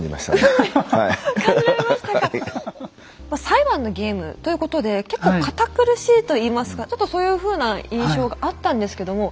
裁判のゲームということで結構堅苦しいといいますかちょっとそういうふうな印象があったんですけども。